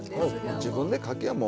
自分でかけもう。